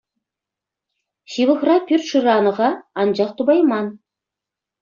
Ҫывӑхра пӳрт шыранӑ-ха, анчах тупайман.